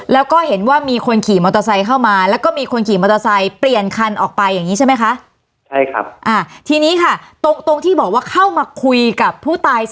แล้วก็เห็นว่ามีคนขี่มอเตอร์ไซค์เข้ามา